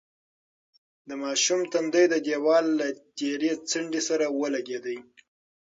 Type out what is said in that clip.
د ماشوم تندی د دېوال له تېرې څنډې سره ولگېد.